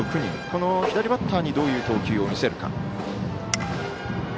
この左バッターにどういう投球を見せるか。